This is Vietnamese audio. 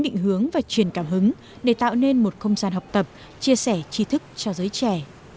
định hướng và truyền cảm hứng để tạo nên một không gian học tập chia sẻ chi thức cho giới trẻ